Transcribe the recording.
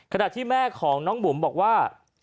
ขณะที่แม่ของน้องบุ๋มบอกว่า